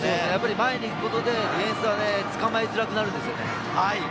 前に行くことでディフェンスはつかまえづらくなるんですよ。